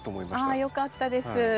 あよかったです。